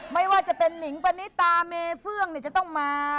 ไม่ว่าจะเป็นหนิงปณิตาเมเฟื่องจะต้องมา